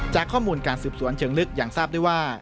จากข้อมูลการสืบสวนเชิงลึกยังทราบได้ว่า